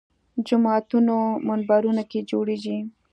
جوماتونو منبرونو کې جوړېږي